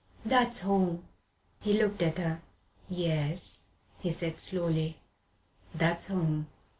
That's home!" He looked at her. "Yes," he said slowly, "that's home."